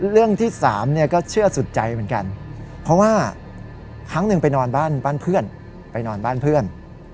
เรื่องที่สามเนี่ยก็เชื่อสุดใจเหมือนกันเพราะว่าครั้งหนึ่งไปนอนบ้านเพื่อน